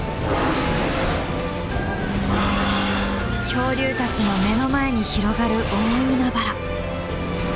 恐竜たちの目の前に広がる大海原。